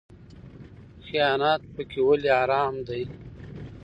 خیانت پکې ولې حرام دی؟